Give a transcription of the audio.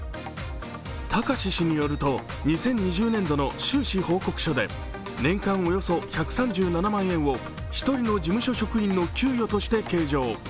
貴志氏によると、２０２０年度の収支報告書で年間およそ１３７万円を１人の事務所職員の給与として計上。